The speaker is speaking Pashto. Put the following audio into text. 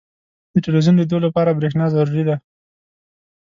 • د ټلویزیون لیدو لپاره برېښنا ضروري ده.